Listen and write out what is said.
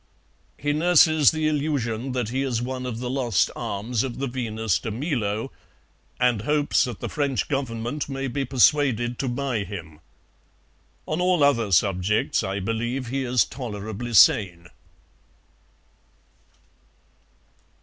He nurses the illusion that he is one of the lost arms of the Venus de Milo, and hopes that the French Government may be persuaded to buy him. On all other subjects I believe he is tolerably sane."